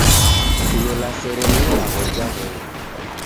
Kulola sere ni ilagho ja henga.